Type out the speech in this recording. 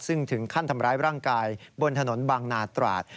ซึ่งถึงขั้นทำร้ายร่างกายบนถนนบางนาตราด